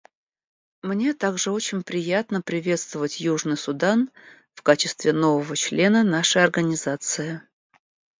Мне также очень приятно приветствовать Южный Судан в качестве нового члена нашей Организации.